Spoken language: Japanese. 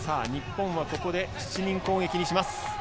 日本はここで７人攻撃にします。